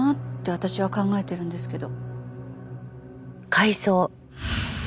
私は考えてるんですけど。